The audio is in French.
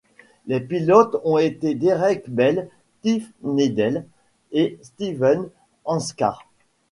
Les pilotes ont été Derek Bell, Tiff Needell et Steven Andskär.